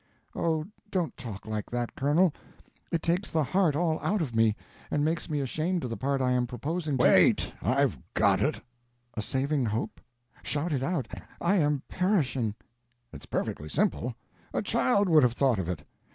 "Oh, don't talk like that, Colonel; it takes the heart all out of me, and makes me ashamed of the part I am proposing to—" "Wait—I've got it!" "A saving hope? Shout it out, I am perishing." "It's perfectly simple; a child would have thought of it.